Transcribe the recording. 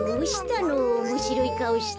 おもしろいかおして。